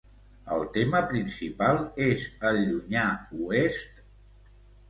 El tema principal és el Llunyà Oest?